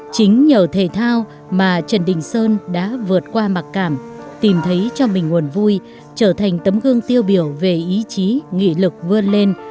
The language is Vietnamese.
chính nhờ thể thao mà trần đình sơn đã vượt qua mặc cảm tìm thấy cho mình nguồn vui trở thành tấm gương tiêu biểu về ý chí nghị lực vươn lên